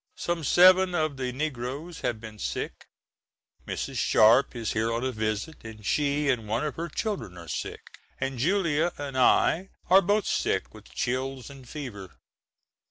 Some seven of the negroes have been sick. Mrs. Sharp is here on a visit, and she and one of her children are sick; and Julia and I are both sick with chills and fever.